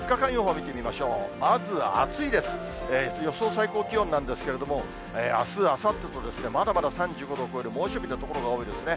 最高気温なんですけれども、あす、あさってとまだまだ３５度を超える猛暑日の所が多いですね。